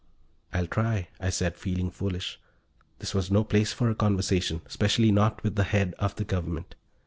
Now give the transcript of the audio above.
"I'll try," I said, feeling foolish. This was no place for a conversation especially not with the head of the Government.